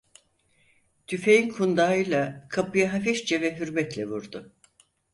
Tüfeğin kundağıyla kapıya hafifçe ve hürmetle vurdu.